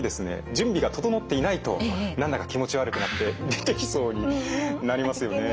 準備が整っていないと何だか気持ち悪くなって出てきそうになりますよね。